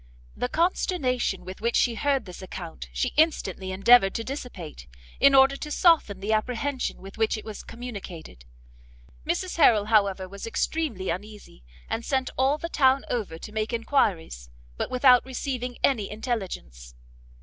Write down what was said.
The consternation with which she heard this account she instantly endeavoured to dissipate, in order to soften the apprehension with which it was communicated; Mrs Harrel, however, was extremely uneasy, and sent all the town over to make enquiries, but without receiving any intelligence.